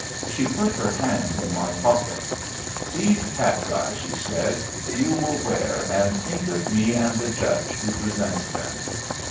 She put her hand in my pocket. "These cat's eyes," she said, "you will wear, and think of me and the judge who presents them."